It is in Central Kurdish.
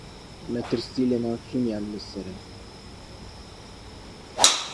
مەترسیی لەناوچوونیان لەسەرە.